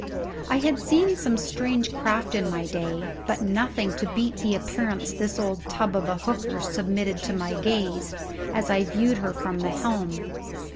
I had seen some strange craft in my day; but nothing to beat the appearance this old tub of a hooker submitted to my gaze as I viewed her from the helm.